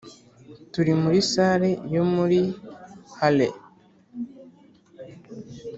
turi muli salle yo muli halle